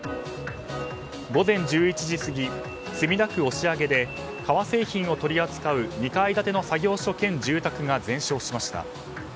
午前１１時過ぎ、墨田区押上で革製品を取り扱う２階建ての作業所兼住宅が全焼しました。